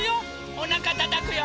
おなかたたくよ。